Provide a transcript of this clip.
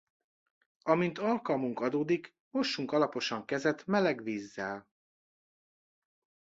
Amint alkalmunk adódik, mossunk alaposan kezet meleg vízzel.